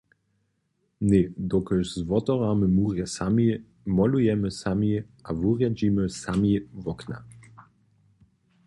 Ně, dokelž zwotorhamy murje sami, molujemy sami a wurjedźimy sami wokna.